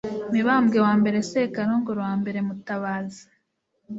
Mibambwe I Sekarongoro I Mutabazi